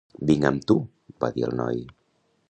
"Vinc amb tu", va dir el noi.